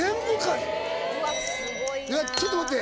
いやちょっと待って！